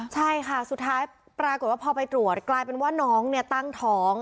ใช่ค่ะสุดท้ายปรากฏว่าพอไปตรวจกลายเป็นว่าน้องเนี่ยตั้งท้อง